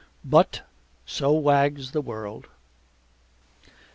But so wags the world.